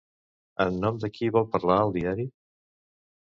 En nom de qui vol parlar el diari?